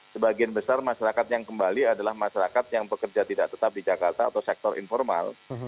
sebagian besar masyarakat yang kembali adalah masyarakat yang bekerja tidak tetap di jakarta atau sektor informal